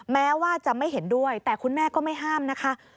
แม้ว่าจะไม่เห็นด้วยแต่คุณแม่ก็ไม่ห้ามนะคะ